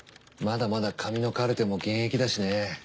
まだまだ紙のカルテも現役だしね。